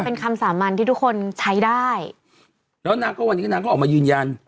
เป็นคำสามัญที่ทุกคนใช้ได้แล้วนางก็วันนี้นางก็ออกมายืนยัน